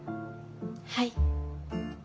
はい。